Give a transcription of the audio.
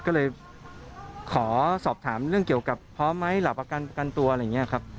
ก็เลยขอสอบถามเรื่องเกี่ยวกับพร้อมไหมหลับประกันตัวอะไรอย่างนี้ครับ